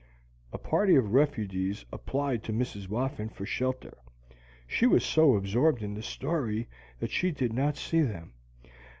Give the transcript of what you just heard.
A party of refugees applied to Mrs. Whoffin for shelter. She was so absorbed in the story that she did not see them.